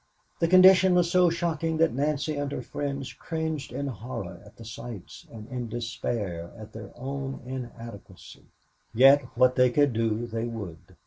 The condition was so shocking that Nancy and her friends cringed in horror at the sights and in despair at their own inadequacy. Yet what they could do they would.